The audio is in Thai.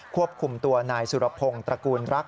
ควบคุมตัวนายสุรพงศ์ตระกูลรักษ